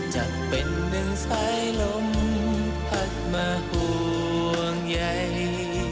จะเป็นหนึ่งสายลมพัดมาห่วงใหญ่